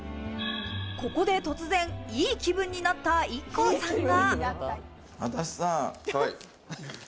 ここで突然いい気分になったＩＫＫＯさんが。